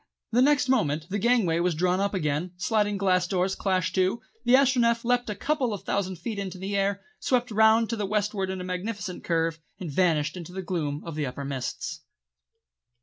The next moment the gangway was drawn up again, the sliding glass doors clashed to, the Astronef leapt a couple of thousand feet into the air, swept round to the westward in a magnificent curve, and vanished into the gloom of the upper mists.